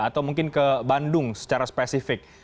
atau mungkin ke bandung secara spesifik